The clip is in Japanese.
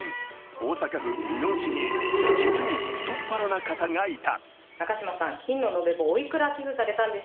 大阪府箕面市に実に太っ腹な方がいた。